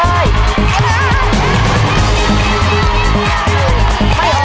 ไม่ออกไปเลย